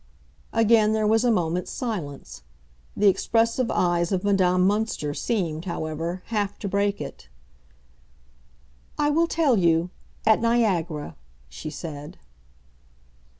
Again there was a moment's silence. The expressive eyes of Madame Münster seemed, however, half to break it. "I will tell you—at Niagara!" she said.